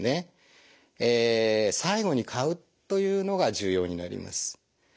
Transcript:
最後に買うというのが重要になります。